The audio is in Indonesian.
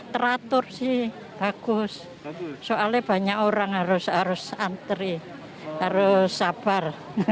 teratur sih bagus soalnya banyak orang harus harus antri harus sabar